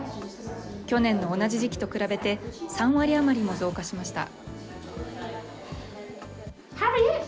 去年の同じ時期と比べて、３割余りも増加しました。